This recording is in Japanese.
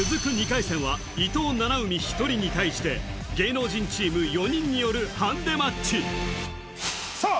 ２回戦は伊藤七海１人に対して芸能人チーム４人によるハンデマッチさあ